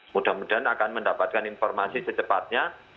mudah mudahan akan mendapatkan informasi secepatnya